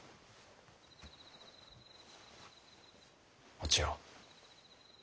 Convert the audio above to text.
お千代。